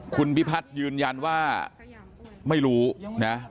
คุณพิพัฒน์ยืนยันว่าไม่รู้นะ